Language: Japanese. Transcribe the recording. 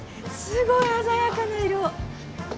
すごい鮮やかな色。